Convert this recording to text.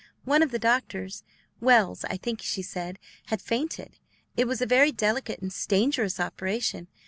One of the doctors, Wells, I think she said, had fainted; it was a very delicate and dangerous operation.